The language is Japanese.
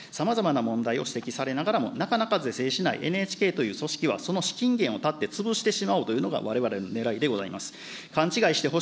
さまざまな問題を指摘されながらも、なかなか是正しない、ＮＨＫという組織はその資金源を断って潰してしまおうというのがわれわれのねらいでございます。